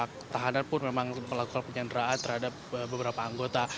pihak tahanan pun memang melakukan penyanderaan terhadap beberapa anggota